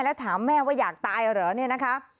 แล้วถามแม่ว่าอยากตายเหรอเนี่ยนะคะ